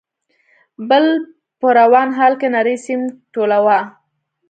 ، بل په روان حال کې نری سيم ټولاوه.